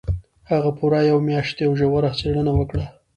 هغه پوره یوه میاشت یوه ژوره څېړنه وکړه